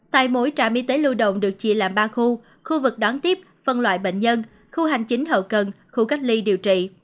tại mỗi trạm y tế lưu động được chia làm ba khu khu vực đón tiếp phân loại bệnh nhân khu hành chính hậu cần khu cách ly điều trị